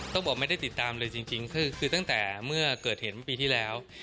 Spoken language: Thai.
ต้องบอกไม่ได้ติดตามเลยจริงคือตั้งแต่เมื่อเกิดเห็นเมื่อปีที่แล้ว